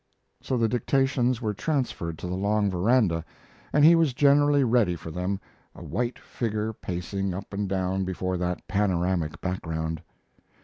So the dictations were transferred to the long veranda, and he was generally ready for them, a white figure pacing up and down before that panoramic background.